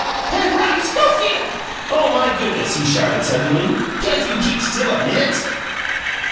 "Penrod Schofield!" "Oh, my goodness!" he shouted suddenly. "Can't you keep still a MINUTE?"